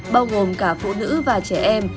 bao gồm cả phụ nữ và trẻ em